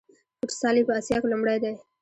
فوټسال یې په اسیا کې لومړی دی.